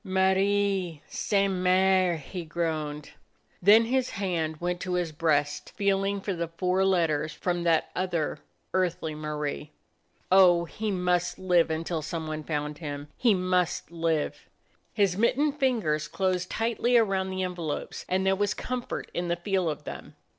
"Marie! Sainte Mere !" he groaned. Then his hand went to his breast, feeling for the four letters from that other, earthly Marie. Oh, 44 A DOG OF THE NORTHLAND he must live until some one found him; he must live ! His mittened fingers closed tightly around the envelopes, and there was comfort in the feel of them.